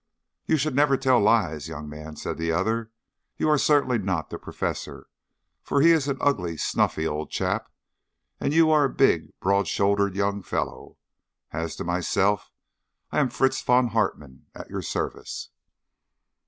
"You should never tell lies, young man," said the other. "You're certainly not the Professor, for he is an ugly snuffy old chap, and you are a big broad shouldered young fellow. As to myself, I am Fritz von Hartmann at your service."